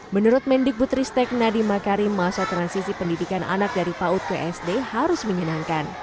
menurut mendikbutristek nadiem makarim masa transisi pendidikan anak dari paud ke sd harus menyenangkan